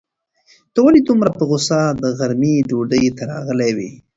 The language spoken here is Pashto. ته ولې دومره په غوسه د غرمې ډوډۍ ته راغلی وې؟